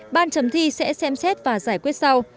ban chấm thi sẽ xem xét và giải quyết sau